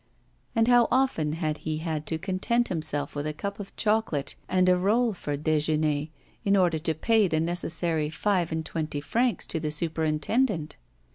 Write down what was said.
And how often had he had to content himself with a cup of chocolate and a roll for déjeuner in order to pay the necessary five and twenty francs to the superintendent!